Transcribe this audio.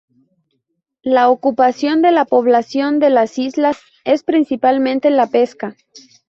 La ocupación de la población de las islas es principalmente la pesca.